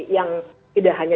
yang tidak hanya